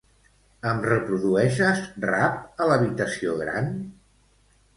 Em reprodueixes rap a l'habitació gran?